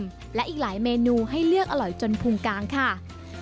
และอีกหลายเมนูให้เลือกอร่อยจนพุงกลางค่ะ